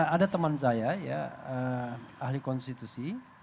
ada teman saya ya ahli konstitusi